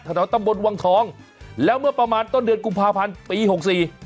แถวตำบลวังทองแล้วเมื่อประมาณต้นเดือนกุมภาพันธ์ปีหกสี่